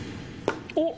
おっ！